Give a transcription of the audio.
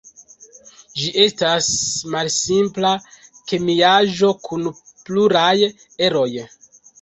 Ĝi estas malsimpla kemiaĵo kun pluraj eroj.